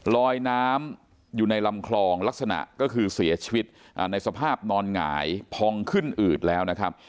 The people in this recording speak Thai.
ลอยน้ำอยู่ในลำคลองลักษณะก็คือเสียชีวิตในสภาพนอนหงายพองขึ้นอืดแล้วนะครับ